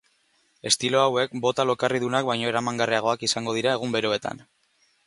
Estilo hauek bota lokarridunak baino eramangarriagoak izango dira egun beroetan.